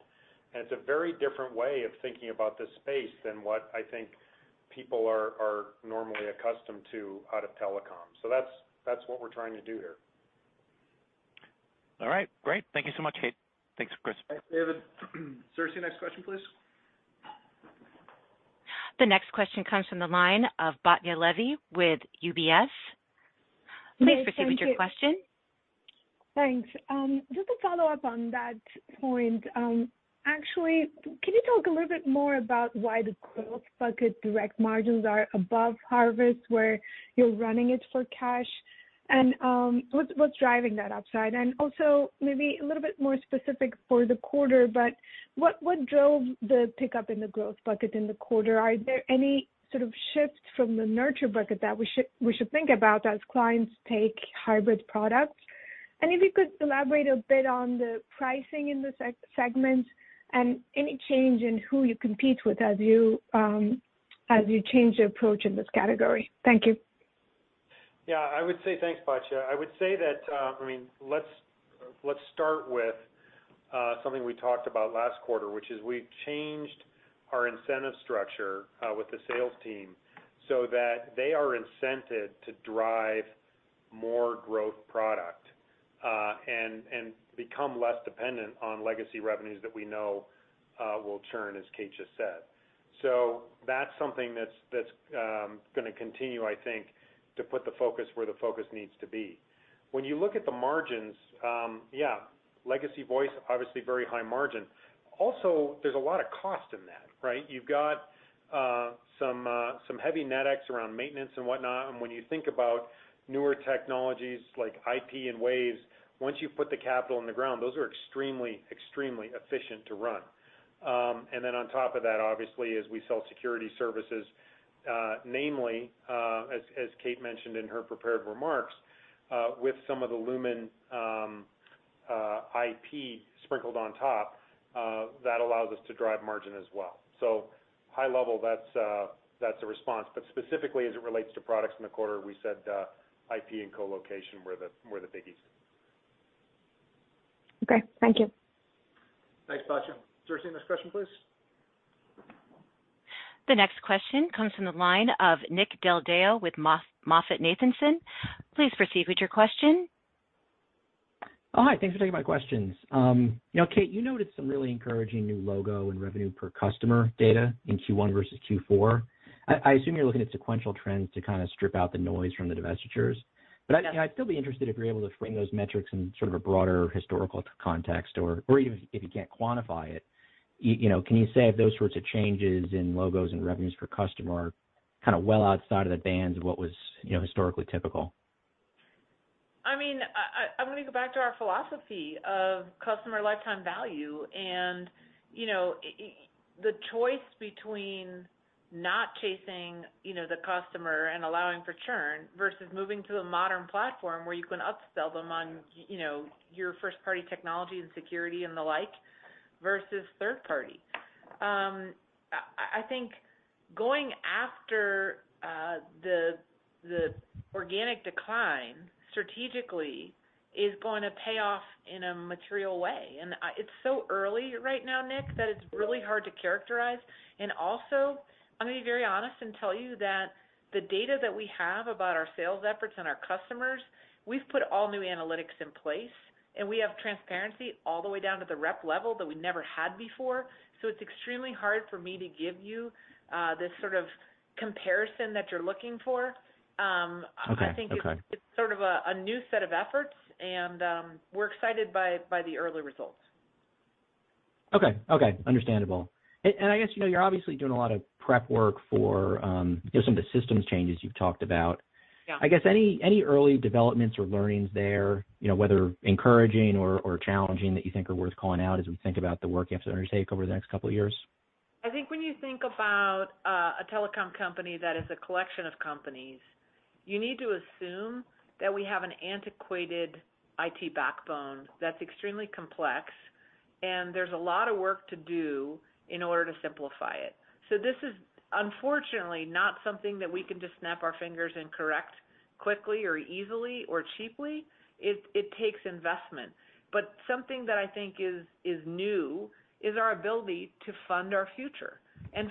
It's a very different way of thinking about this space than what I think people are normally accustomed to out of telecom. That's what we're trying to do here. All right, great. Thank you so much, Kate. Thanks, Chris. Thanks, David. Darcey, next question, please. The next question comes from the line of Batya Levi with UBS. Please proceed with your question. Thanks. Just to follow up on that point, actually, can you talk a little bit more about why the growth bucket direct margins are above harvest, where you're running it for cash, and what's driving that upside? Also maybe a little bit more specific for the quarter, but what drove the pickup in the growth bucket in the quarter? Are there any sort of shifts from the nurture bucket that we should think about as clients take hybrid products? If you could elaborate a bit on the pricing in the segment and any change in who you compete with as you change your approach in this category. Thank you. Yeah, I would say thanks, Batya. I would say that, I mean, let's start with something we talked about last quarter, which is we've changed our incentive structure with the sales team so that they are incented to drive more growth product, and become less dependent on legacy revenues that we know will churn, as Kate just said. That's something that's gonna continue, I think, to put the focus where the focus needs to be. When you look at the margins, yeah, legacy voice, obviously very high margin. Also, there's a lot of cost in that, right? You've got some heavy NetEx around maintenance and whatnot. When you think about newer technologies like IP and Waves, once you put the capital in the ground, those are extremely efficient to run. On top of that, obviously, as we sell security services, namely, as Kate mentioned in her prepared remarks, with some of the Lumen IP sprinkled on top, that allows us to drive margin as well. High level, that's the response. Specifically as it relates to products in the quarter, we said, IP and colocation were the biggies. Okay. Thank you. Thanks, Batya. Darcey, next question, please. The next question comes from the line of Nick Del Deo with MoffettNathanson. Please proceed with your question. Hi. Thanks for taking my questions. Now, Kate, you noted some really encouraging new logo and revenue per customer data in Q1 versus Q4. I assume you're looking at sequential trends to kind of strip out the noise from the divestitures. I mean, I'd still be interested if you're able to frame those metrics in sort of a broader historical context or even if you can't quantify it, you know, can you say if those sorts of changes in logos and revenues per customer are kind of well outside of the bands of what was, you know, historically typical? I mean, I'm gonna go back to our philosophy of customer lifetime value and, you know, the choice between not chasing, you know, the customer and allowing for churn versus moving to a modern platform where you can upsell them on, you know, your first party technology and security and the like, versus third party. I think going after the organic decline strategically is going to pay off in a material way. It's so early right now, Nick, that it's really hard to characterize. Also, I'm gonna be very honest and tell you that the data that we have about our sales efforts and our customers, we've put all new analytics in place, and we have transparency all the way down to the rep level that we never had before. It's extremely hard for me to give you this sort of comparison that you're looking for. Okay. Okay. I think it's sort of a new set of efforts and we're excited by the early results. Okay. Okay. Understandable. I guess, you know, you're obviously doing a lot of prep work for, you know, some of the systems changes you've talked about. Yeah. I guess any early developments or learnings there, you know, whether encouraging or challenging that you think are worth calling out as we think about the work you have to undertake over the next couple of years? I think when you think about a telecom company that is a collection of companies, you need to assume that we have an antiquated IT backbone that's extremely complex and there's a lot of work to do in order to simplify it. This is unfortunately not something that we can just snap our fingers and correct quickly or easily or cheaply. It takes investment. Something that I think is new is our ability to fund our future.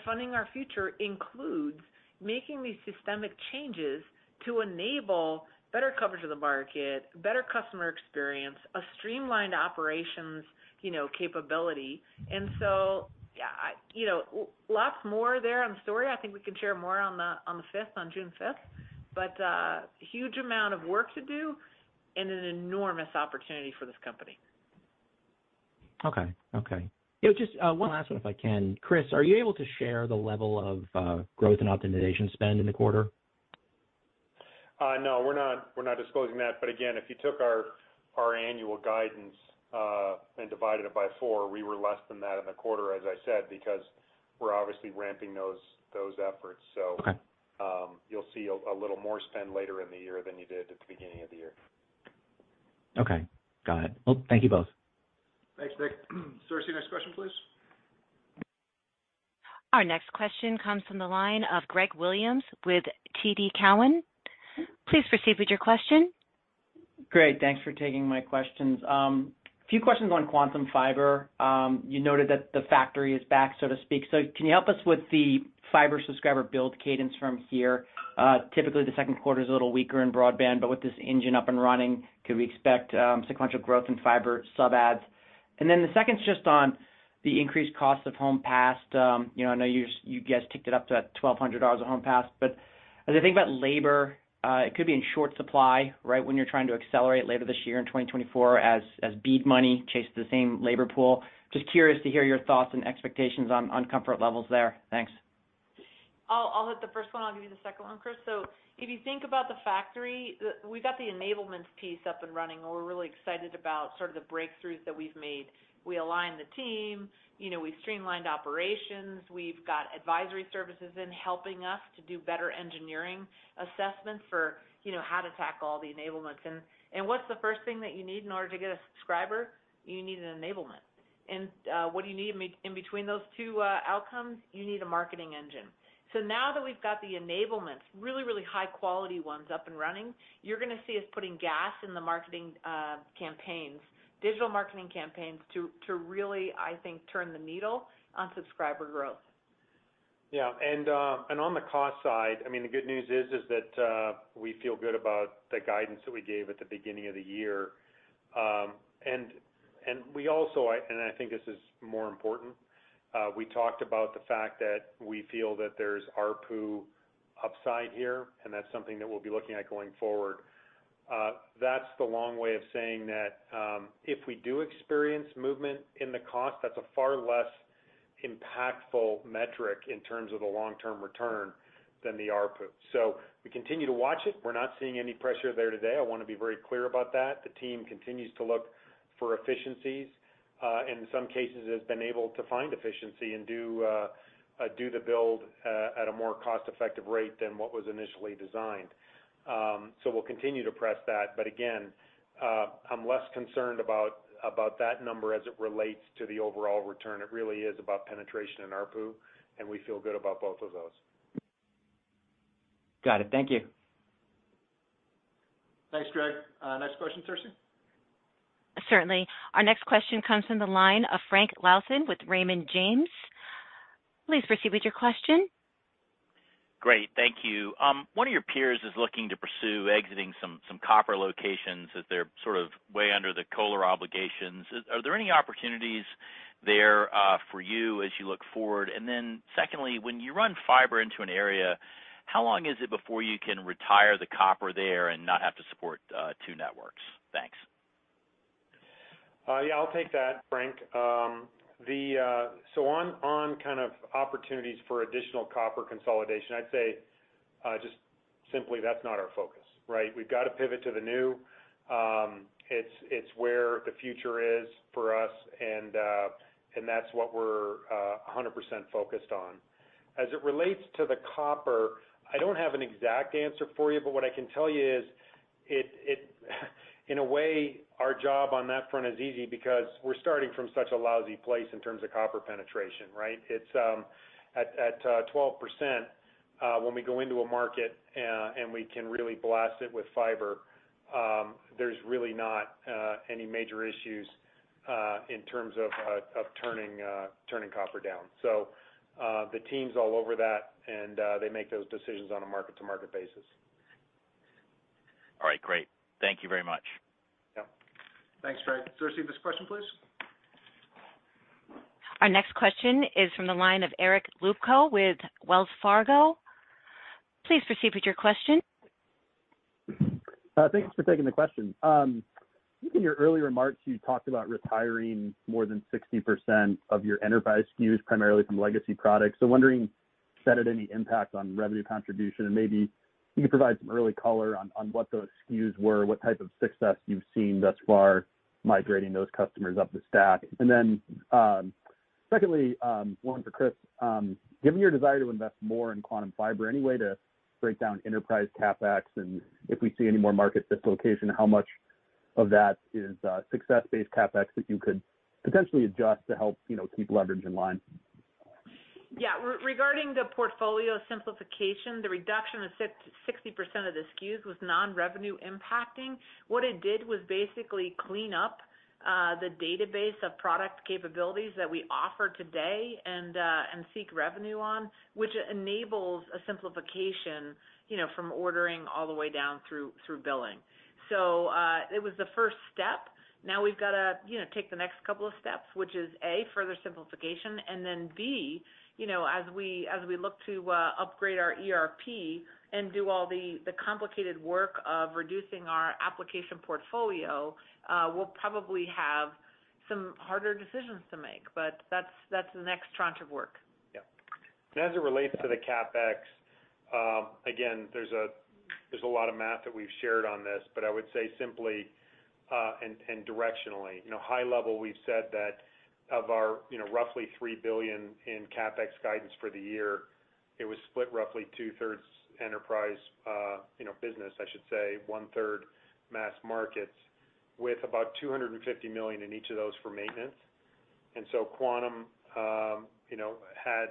Funding our future includes making these systemic changes to enable better coverage of the market, better customer experience, a streamlined operations, you know, capability. You know, lots more there on the story. I think we can share more on the, on the 5th, on June 5th. Huge amount of work to do and an enormous opportunity for this company. Okay. Okay. You know, just, 1 last one, if I can. Chris, are you able to share the level of growth and optimization spend in the quarter? No, we're not disclosing that. Again, if you took our annual guidance and divided it by 4, we were less than that in the quarter, as I said, because we're obviously ramping those efforts. Okay. You'll see a little more spend later in the year than you did at the beginning of the year. Okay. Got it. Well, thank you both. Thanks, Nick. Darcey, next question, please. Our next question comes from the line of Greg Williams with TD Cowen. Please proceed with your question. Great. Thanks for taking my questions. A few questions on Quantum Fiber. You noted that the factory is back, so to speak. Can you help us with the fiber subscriber build cadence from here? Typically, the Q2 is a little weaker in broadband, with this engine up and running, could we expect sequential growth in fiber sub adds? Then the second is just on The increased cost of home passed, you know, I know you guys ticked it up to at $1,200 a home pass. As I think about labor, it could be in short supply, right, when you're trying to accelerate later this year in 2024 as BEAD money chases the same labor pool. Just curious to hear your thoughts and expectations on comfort levels there. Thanks. I'll hit the first one, I'll give you the second one, Chris. If you think about the factory, we've got the enablement piece up and running, and we're really excited about sort of the breakthroughs that we've made. We aligned the team, you know, we've streamlined operations, we've got advisory services in helping us to do better engineering assessments for, you know, how to tackle all the enablements. What's the first thing that you need in order to get a subscriber? You need an enablement. What do you need in between those 2 outcomes? You need a marketing engine. Now that we've got the enablements, really, really high quality ones up and running, you're gonna see us putting gas in the marketing campaigns, digital marketing campaigns to really, I think, turn the needle on subscriber growth. Yeah. On the cost side, I mean, the good news is that we feel good about the guidance that we gave at the beginning of the year. We also, and I think this is more important, we talked about the fact that we feel that there's ARPU upside here, and that's something that we'll be looking at going forward. That's the long way of saying that, if we do experience movement in the cost, that's a far less impactful metric in terms of the long-term return than the ARPU. We continue to watch it. We're not seeing any pressure there today. I wanna be very clear about that. The team continues to look for efficiencies, and in some cases has been able to find efficiency and do the build at a more cost-effective rate than what was initially designed. We'll continue to press that. Again, I'm less concerned about that number as it relates to the overall return. It really is about penetration and ARPU, and we feel good about both of those. Got it. Thank you. Thanks, Greg. Next question, Darcey. Certainly. Our next question comes from the line of Frank Louthan with Raymond James. Please proceed with your question. Great. Thank you. One of your peers is looking to pursue exiting some copper locations as they're sort of way under the COLR obligations. Are there any opportunities there for you as you look forward? Secondly, when you run fiber into an area, how long is it before you can retire the copper there and not have to support 2 networks? Thanks. Yeah, I'll take that, Frank. On kind of opportunities for additional copper consolidation, I'd say just simply that's not our focus, right? We've got to pivot to the new, it's where the future is for us, and that's what we're 100% focused on. As it relates to the copper, I don't have an exact answer for you, but what I can tell you is in a way, our job on that front is easy because we're starting from such a lousy place in terms of copper penetration, right? It's at 12% when we go into a market, and we can really blast it with fiber, there's really not any major issues in terms of turning copper down. The team's all over that, and they make those decisions on a market-to-market basis. All right, great. Thank you very much. Yeah. Thanks, Frank. Darcey, next question, please. Our next question is from the line of Eric Luebchow with Wells Fargo. Please proceed with your question. Thanks for taking the question. I think in your earlier remarks, you talked about retiring more than 60% of your enterprise SKUs, primarily from legacy products. Wondering, does that had any impact on revenue contribution? Maybe you could provide some early color on what those SKUs were, what type of success you've seen thus far migrating those customers up the stack. Secondly, 1 for Chris, given your desire to invest more in Quantum Fiber, any way to break down enterprise CapEx? If we see any more market dislocation, how much of that is success-based CapEx that you could potentially adjust to help, you know, keep leverage in line? Yeah. Regarding the portfolio simplification, the reduction of 60% of the SKUs was non-revenue impacting. What it did was basically clean up the database of product capabilities that we offer today and seek revenue on, which enables a simplification, you know, from ordering all the way down through billing. It was the 1st step. Now we've got to, you know, take the next couple of steps, which is, A, further simplification, and then, B, you know, as we, as we look to upgrade our ERP and do all the complicated work of reducing our application portfolio, we'll probably have some harder decisions to make. That's the next tranche of work. Yeah. As it relates to the CapEx, again, there's a lot of math that we've shared on this. I would say simply, and directionally, you know, high level, we've said that of our, you know, roughly $3 billion in CapEx guidance for the year, it was split roughly 2/3 enterprise, you know, business, I should say, 1/3 mass markets with about $250 million in each of those for maintenance. Quantum, you know, had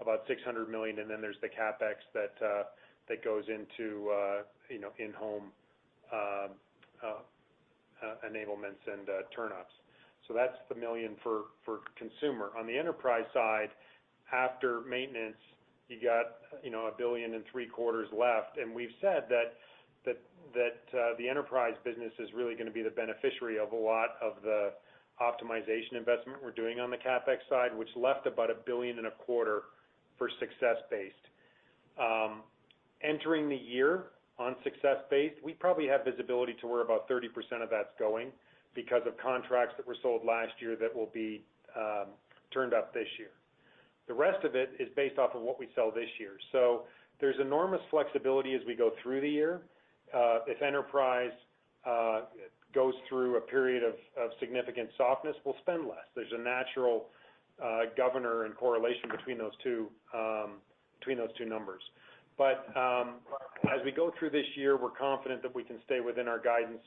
about $600 million, there's the CapEx that goes into, you know, in-home enablements and turn-ups. That's the million for consumer. On the enterprise side. After maintenance, you got, you know, a billion and 3 quarters left. We've said that the enterprise business is really gonna be the beneficiary of a lot of the optimization investment we're doing on the CapEx side, which left about a billion and a quarter for success-based. Entering the year on success-based, we probably have visibility to where about 30% of that's going because of contracts that were sold last year that will be turned up this year. The rest of it is based off of what we sell this year. There's enormous flexibility as we go through the year. If enterprise goes through a period of significant softness, we'll spend less. There's a natural governor and correlation between those 2 numbers. As we go through this year, we're confident that we can stay within our guidance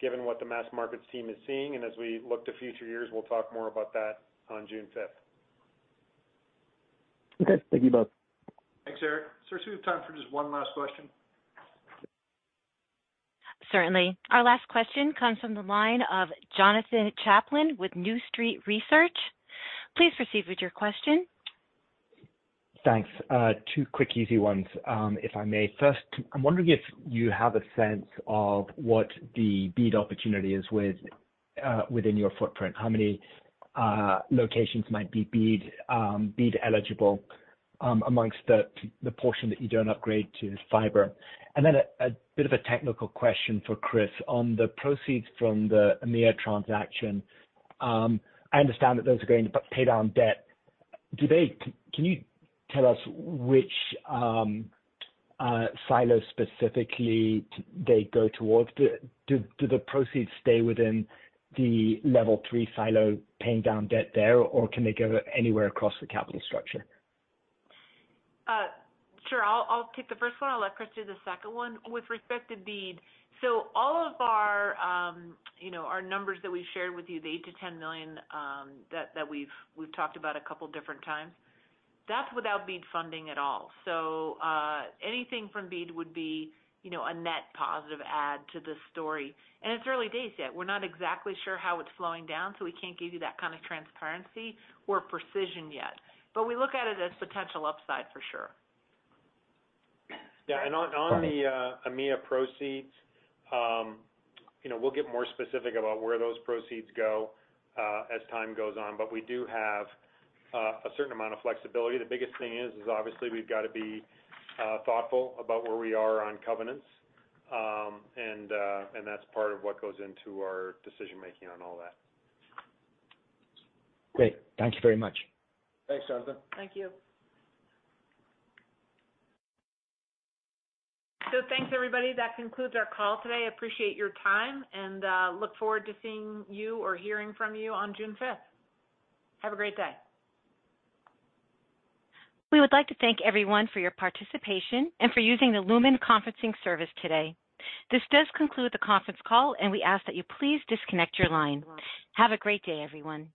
given what the mass markets team is seeing. As we look to future years, we'll talk more about that on June 5th. Okay. Thank you both. Thanks, Eric. Darcey, we have time for just 1 last question. Certainly. Our last question comes from the line of Jonathan Chaplin with New Street Research. Please proceed with your question. Thanks. 2 quick easy ones, if I may. First, I'm wondering if you have a sense of what the BEAD opportunity is with within your footprint. How many locations might be BEAD eligible amongst the portion that you don't upgrade to fiber? A bit of a technical question for Chris on the proceeds from the EMEA transaction. I understand that those are going to pay down debt. Can you tell us which silos specifically they go towards? Do the proceeds stay within the Level 3 silo paying down debt there, or can they go anywhere across the capital structure? Sure. I'll take the first one. I'll let Chris do the second one. With respect to BEAD, so all of our, you know, our numbers that we shared with you, the $8 million-$10 million, that we've talked about a couple different times, that's without BEAD funding at all. Anything from BEAD would be, you know, a net positive add to this story. It's early days yet. We're not exactly sure how it's flowing down, so we can't give you that kind of transparency or precision yet. We look at it as potential upside for sure. Yeah. On, on the EMEA proceeds, you know, we'll get more specific about where those proceeds go, as time goes on. We do have a certain amount of flexibility. The biggest thing is obviously we've gotta be thoughtful about where we are on covenants. That's part of what goes into our decision-making on all that. Great. Thank you very much. Thanks, Jonathan. Thank you. Thanks everybody. That concludes our call today. Appreciate your time, and look forward to seeing you or hearing from you on June 5th. Have a great day. We would like to thank everyone for your participation and for using the Lumen conferencing service today. This does conclude the conference call, and we ask that you please disconnect your line. Have a great day, everyone.